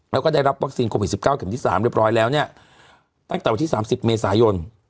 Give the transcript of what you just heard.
แล้วก็ได้รับวัคซีนคมหลีสิบเก้าเกี่ยวกับวันที่สามเรียบร้อยแล้วเนี้ยตั้งแต่วันที่สามสิบเมษายน